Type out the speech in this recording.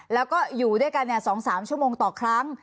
แล้วก็อยู่ด้วยกันเนี่ยสองสามชั่วโมงต่อครั้ง